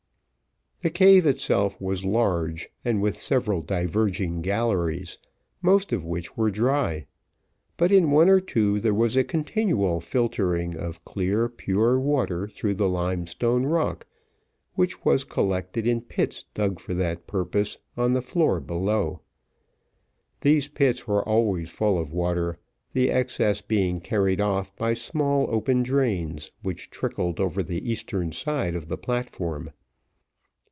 The cave itself was large, and with several diverging galleries, most of which were dry; but in one or two there was a continual filtering of clear pure water through the limestone rock, which was collected in pits dug for that purpose on the floor below; these pits were always full of water, the excess being carried off by small open drains which trickled over the eastern side of the platform.